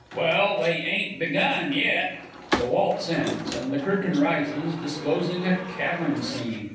Well, they ain't begun yet. [The Waltz ends, and the Curtain rises, disclosing a CAVERN SCENE.